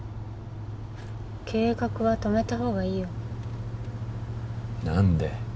計画は止めた方がいいよ何で？